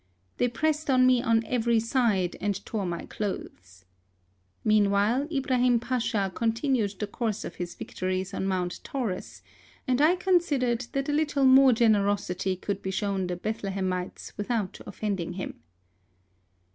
They pressed on me on every side, and tore my clothes. Meanwhile Ibrahim Pacha con tinued the course of his victories on Mount Taurus, and I considered that a little more generosity could be shown the Bethlehemites without offending him.